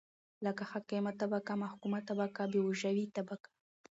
لکه حاکمه طبقه ،محکومه طبقه بوژوايي طبقه